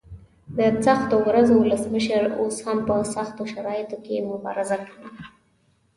د سختو ورځو ولسمشر اوس هم په سختو شرایطو کې مبارزه کوي.